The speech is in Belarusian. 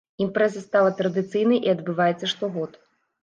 Імпрэза стала традыцыйнай і адбываецца штогод.